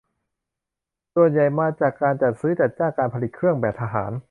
ส่วนใหญ่มาจากการจัดซื้อจัดจ้างการผลิตเครื่องแบบทหาร